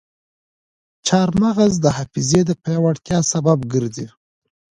چارمغز د حافظې د پیاوړتیا سبب ګرځي.